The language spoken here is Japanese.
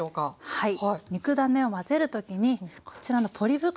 はい。